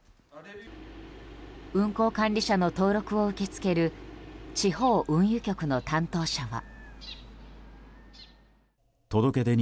運航管理者の登録を受け付ける地方運輸局の担当者は。